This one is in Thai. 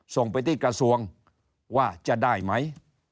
ส่งไปที่กระทรวงว่าจะได้ไหม